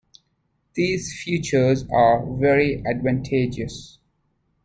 These features are very advantageous.